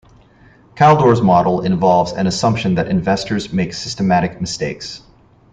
Kaldor's model involves an assumption that investors make systematic mistakes.